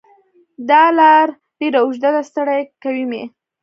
دا لار ډېره اوږده ده ستړی کوی مې